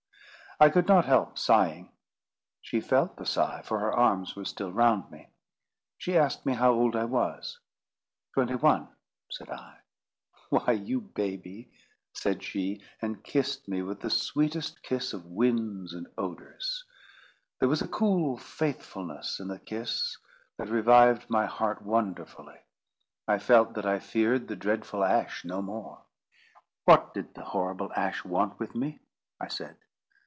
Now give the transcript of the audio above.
I could not help sighing. She felt the sigh, for her arms were still round me. She asked me how old I was. "Twenty one," said I. "Why, you baby!" said she, and kissed me with the sweetest kiss of winds and odours. There was a cool faithfulness in the kiss that revived my heart wonderfully. I felt that I feared the dreadful Ash no more. "What did the horrible Ash want with me?" I said.